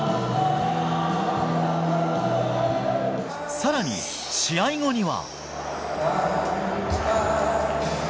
さらに試合後には。